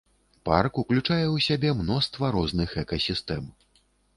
Парк ўключае ў сябе мноства розных экасістэм.